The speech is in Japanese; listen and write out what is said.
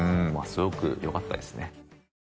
すごくよかったですね